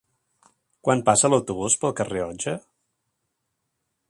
Quan passa l'autobús pel carrer Otger?